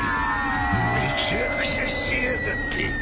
めちゃくちゃしやがって。